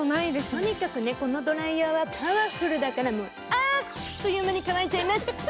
とにかくこのドライヤーはパワフルだからあっという間に乾いちゃいます。